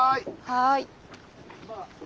はい！